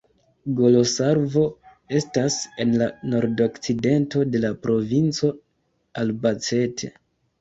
Golosalvo estas en la nordokcidento de la provinco Albacete.